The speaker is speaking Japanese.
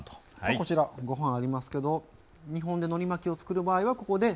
こちらご飯ありますけど日本でのり巻きをつくる場合はここで。